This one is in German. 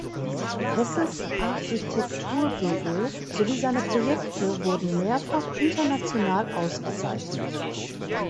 Hesses Architekturbüro sowie seine Projekte wurden mehrfach international ausgezeichnet.